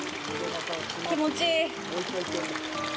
気持ちいい。